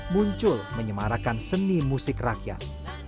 muncul menyemarakan seni musik rakyat